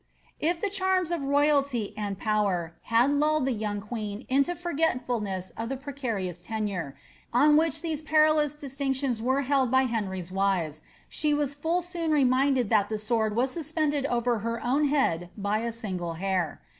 If the charms of royalty and power had lulled the young queen into forgetfulness of the precarious tenure, on which these perilous distinc tions were held by Henry's wives, she was full soon reminded that the sword was suspended over her own head by a single hair.